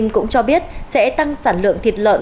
cũng cho biết sẽ tăng sản lượng thịt lợn